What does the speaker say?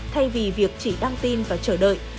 thay vì việc chỉ đăng tin và chờ đợi